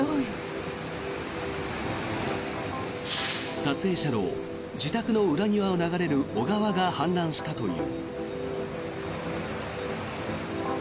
撮影者の自宅の裏庭を流れる小川が氾濫したという。